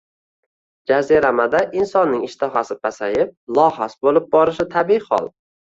Jaziramada insonning ishtahasi pasayib, lohas boʻlib borishi tabiiy hol.